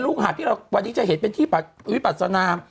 หาดที่เราวันนี้จะเห็นเป็นที่วิปัสนาม